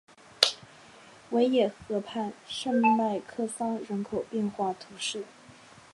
维耶河畔圣迈克桑人口变化图示